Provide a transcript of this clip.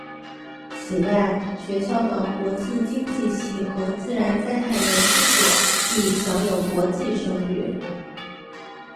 此外学校的国际经济系和自然灾害研究所亦享有国际声誉。